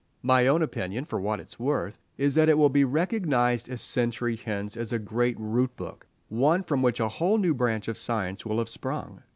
My own opinion, for what it is worth, is that it will be recognized a century hence as a great root book, one from which a whole new branch of science will have sprung.